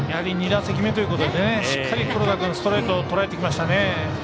２打席目ということで黒田君ストレートをとらえてきましたね。